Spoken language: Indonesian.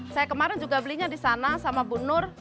saya kemarin juga belinya di sana sama bu nur